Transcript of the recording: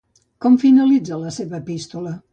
Com finalitza la seva epístola?